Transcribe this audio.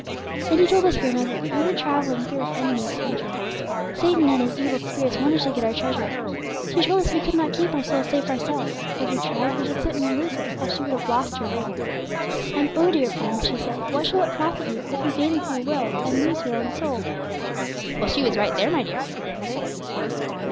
'Then she told us, grandmother, that we were travelling through an enemy's country; Satan and his evil spirits wanted to get our treasure. She told us we could not keep our soul safe ourselves; if we tried we should certainly lose it, as she would have lost her ring. "And oh, dear friends," she said, "what shall it profit you, if you gain the whole world, and lose your own soul?"' 'Well, she was right there, my dear,' said grandmother.